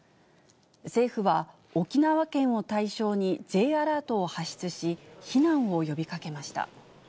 政府は沖縄県を対象にＪアラートを発出し、避難を呼びかけました。